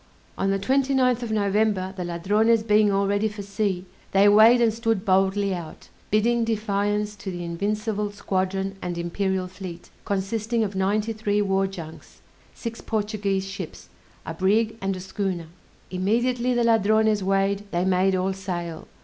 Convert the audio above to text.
On the 29th of November, the Ladrones being all ready for sea, they weighed and stood boldly out, bidding defiance to the invincible squadron and imperial fleet, consisting of ninety three war junks, six Portuguese ships, a brig, and a schooner. Immediately the Ladrones weighed, they made all sail.